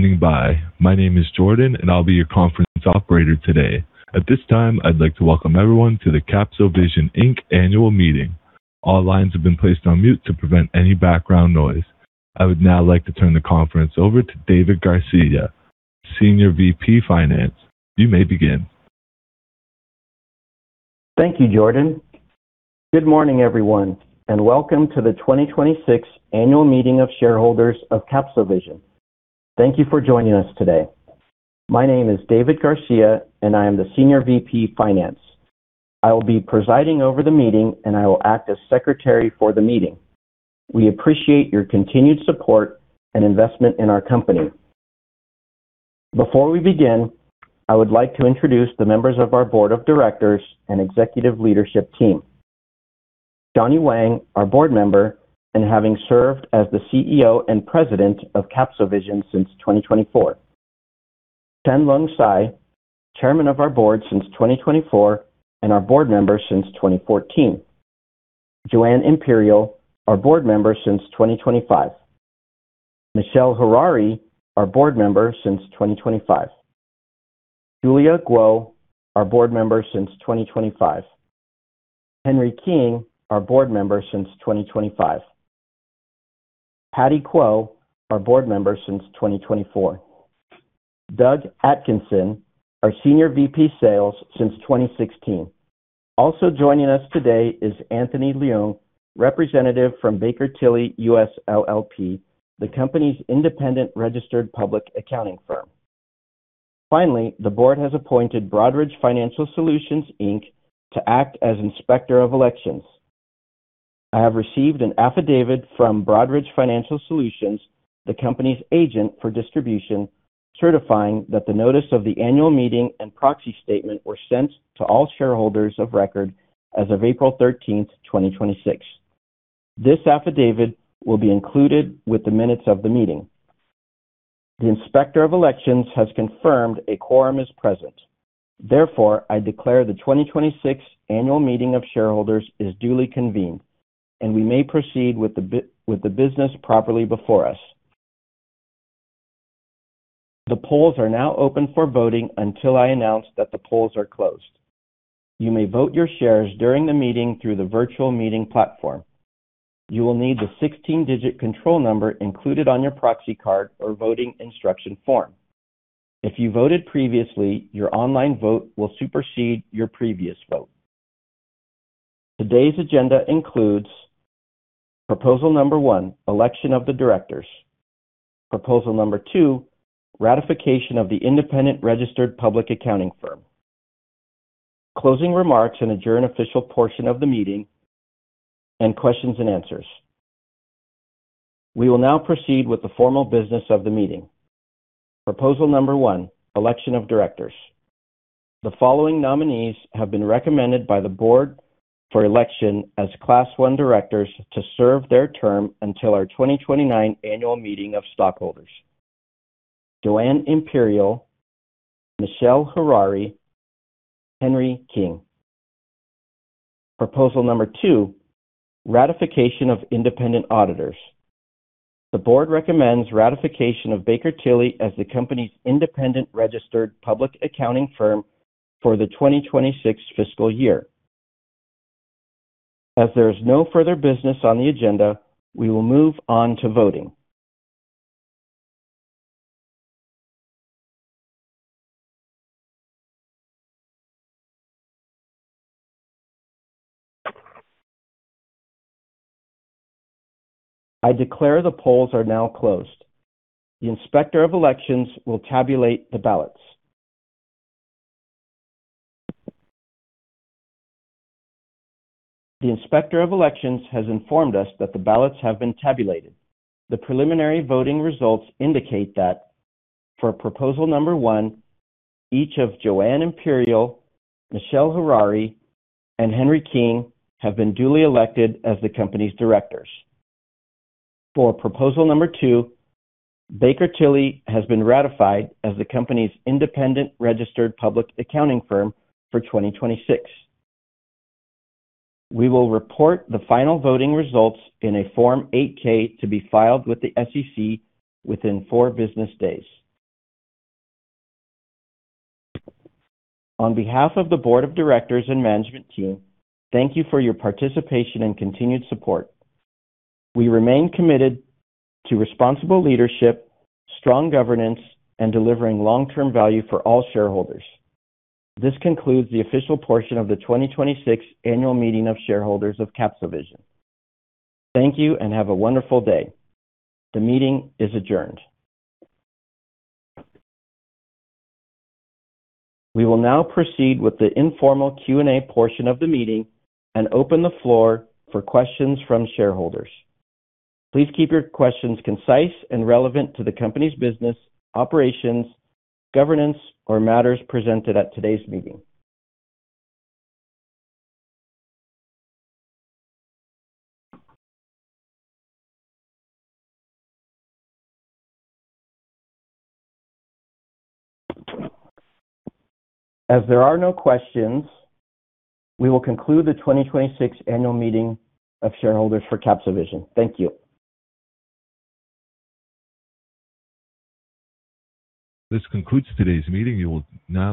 Standing by. My name is Jordan, and I'll be your Conference Operator today. At this time, I'd like to welcome everyone to the CapsoVision, Inc Annual Meeting. All lines have been placed on mute to prevent any background noise. I would now like to turn the conference over to David Garcia, Senior VP, Finance. You may begin. Thank you, Jordan. Good morning, everyone, and welcome to the 2026 Annual Meeting of Shareholders of CapsoVision. Thank you for joining us today. My name is David Garcia, and I am the Senior VP, Finance. I will be presiding over the meeting, and I will act as Secretary for the meeting. We appreciate your continued support and investment in our company. Before we begin, I would like to introduce the members of our Board of Directors and Executive Leadership Team. Johnny Wang, our Board member, and having served as the CEO and President of CapsoVision since 2024. Chen Lung Tsai, Chairman of our Board since 2024 and our Board member since 2014. Joanne Imperial, our Board member since 2025. Michele Harari, our Board member since 2025. Julia Gouw, our Board member since 2025. Henry King, our Board member since 2025. Patty Kuo, our Board member since 2024. Doug Atkinson, our Senior VP, Sales since 2016. Also joining us today is Anthony Leung, representative from Baker Tilly US, LLP, the company's independent registered public accounting firm. Finally, the Board has appointed Broadridge Financial Solutions, Inc. to act as Inspector of Elections. I have received an affidavit from Broadridge Financial Solutions, the company's agent for distribution, certifying that the notice of the Annual Meeting and proxy statement were sent to all shareholders of record as of April 13th, 2026. This affidavit will be included with the minutes of the meeting. The Inspector of Elections has confirmed a quorum is present. Therefore, I declare the 2026 Annual Meeting of Shareholders is duly convened, and we may proceed with the business properly before us. The polls are now open for voting until I announce that the polls are closed. You may vote your shares during the meeting through the virtual meeting platform. You will need the 16-digit control number included on your proxy card or voting instruction form. If you voted previously, your online vote will supersede your previous vote. Today's agenda includes; proposal number one, election of the directors. Proposal number two, ratification of the independent registered public accounting firm. Closing remarks and adjourn official portion of the meeting, and questions and answers. We will now proceed with the formal business of the meeting. Proposal number one, election of directors. The following nominees have been recommended by the Board for election as Class I directors to serve their term until our 2029 Annual Meeting of Stockholders. Joanne Imperial, Michele Harari, Henry King. Proposal number two, ratification of independent auditors. The Board recommends ratification of Baker Tilly as the company's independent registered public accounting firm for the 2026 fiscal year. As there is no further business on the agenda, we will move on to voting. I declare the polls are now closed. The Inspector of Elections will tabulate the ballots. The inspector of elections has informed us that the ballots have been tabulated. The preliminary voting results indicate that for proposal number one, each of Joanne Imperial, Michele Harari, and Henry King have been duly elected as the company's directors. For proposal number two, Baker Tilly has been ratified as the company's independent registered public accounting firm for 2026. We will report the final voting results in a Form 8-K to be filed with the SEC within four business days. On behalf of the Board of Directors and management team, thank you for your participation and continued support. We remain committed to responsible leadership, strong governance, and delivering long-term value for all shareholders. This concludes the official portion of the 2026 Annual Meeting of Shareholders of CapsoVision. Thank you, and have a wonderful day. The meeting is adjourned. We will now proceed with the informal Q&A portion of the meeting and open the floor for questions from shareholders. Please keep your questions concise and relevant to the company's business, operations, governance, or matters presented at today's meeting. As there are no questions, we will conclude the 2026 Annual Meeting of Shareholders for CapsoVision. Thank you. This concludes today's meeting.